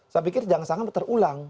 saya pikir jangan jangan terulang